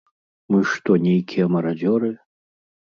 Мы што нейкія марадзёры?